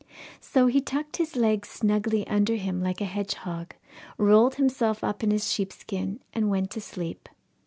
So he tucked his legs snugly under him like a hedgehog, rolled himself up in his sheepskin, and went to sleep.